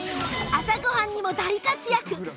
朝ご飯にも大活躍！